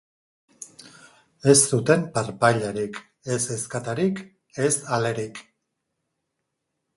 Ez zuten parpailarik, ez ezkatarik ez alerik.